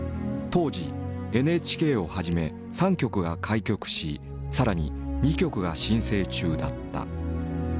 当時ＮＨＫをはじめ３局が開局し更に２局が申請中だった。